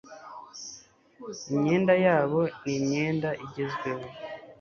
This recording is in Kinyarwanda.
imyenda yabo ni imyenda igezweho